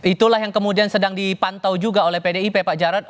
itulah yang kemudian sedang dipantau juga oleh pdip pak jarod